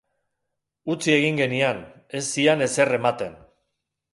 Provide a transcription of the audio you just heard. Utzi egin genian, ez zian ezer ematen.